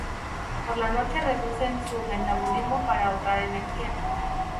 Por la noche reducen su metabolismo para ahorrar energía.